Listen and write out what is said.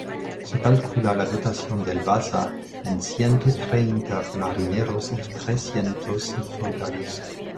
Se calcula la dotación del "Vasa" en ciento treinta marineros y trescientos soldados.